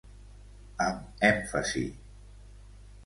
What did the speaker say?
Amb èmfasi.